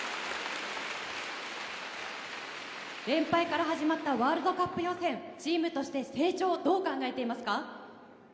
連敗から始まったワールドカップ予選チームとして成長どう考えていますか？